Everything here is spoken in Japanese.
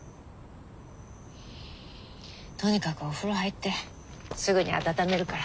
とにかくお風呂入ってすぐに温めるから。